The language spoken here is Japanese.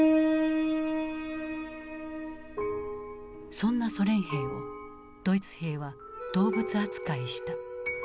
そんなソ連兵をドイツ兵は動物扱いした。